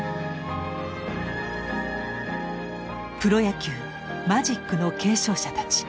「プロ野球マジックの継承者たち」。